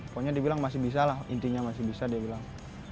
pokoknya dibilang masih bisa lah intinya masih bisa dia bilang